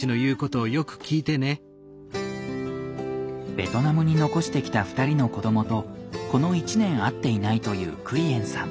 ベトナムに残してきた２人の子どもとこの１年会っていないというクイエンさん。